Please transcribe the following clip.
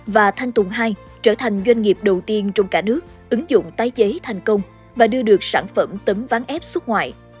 và thanh tùng hai trở thành doanh nghiệp đầu tiên trong cả nước ứng dụng tái chế thành công và đưa được sản phẩm tấm ván ép xuất ngoại